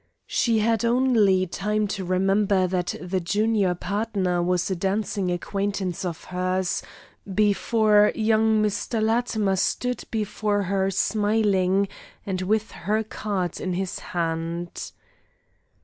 She had only time to remember that the junior partner was a dancing acquaintance of hers, before young Mr. Latimer stood before her smiling, and with her card in his hand.